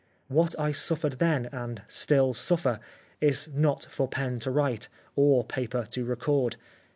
What I suffered then, and still suffer, is not for pen to write, or paper to record.